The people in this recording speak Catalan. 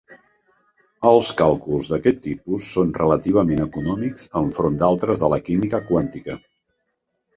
Els càlculs d'aquest tipus són relativament econòmics enfront d'altres de la química quàntica.